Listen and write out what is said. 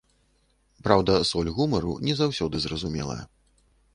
Праўда, соль гумару не заўсёды зразумелая.